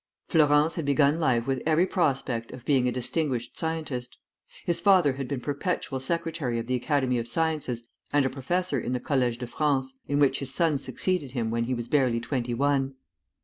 Flourens had begun life with every prospect of being a distinguished scientist. His father had been perpetual secretary of the Academy of Sciences and a professor in the Collège de France, in which his son succeeded him when he was barely twenty one.